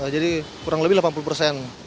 jadi kurang lebih delapan puluh persen